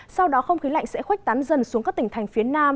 sau đó không khí lạnh sẽ khuếch tán dần xuống các tỉnh thành phía nam